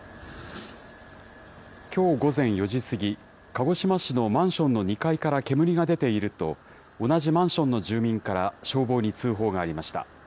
きょう午前４時過ぎ、鹿児島市のマンションの２階から煙が出ていると、同じマンションの住民から消防に通報がありました。